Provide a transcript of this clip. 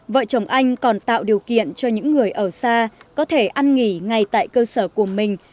vợ chồng anh còn tạo điều kiện cho những người ở xa có thể ăn nghỉ ngay tại cơ sở của mình